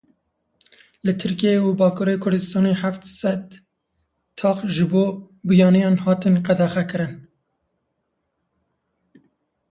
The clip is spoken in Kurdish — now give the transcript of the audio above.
Li Tirkiyeye û Bakurê Kurdistanê heft sed tax ji bo biyaniyan hatin qedexekirin.